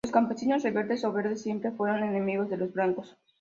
Los campesinos rebeldes o verdes siempre fueron enemigos de los blancos.